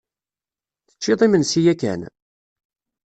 Teččid imensi yakan?